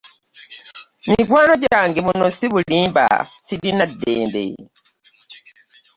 Mikwano jange buno si bulimba sirna Dddembe .